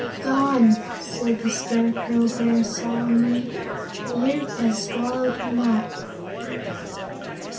"Gone!" said the Scarecrow Bear, solemnly. "The earth has swallowed him up."